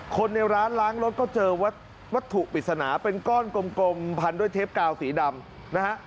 คนในร้านล้างรถก็เจอวัตถุปริศนาเป็นก้อนกลมพันด้วยเทปกาวสีดำนะฮะ